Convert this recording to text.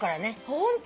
ホント？